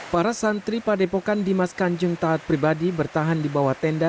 para santri padepokan dimas kanjeng taat pribadi bertahan di bawah tenda